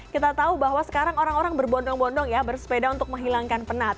kita tahu bahwa sekarang orang orang berbondong bondong ya bersepeda untuk menghilangkan penat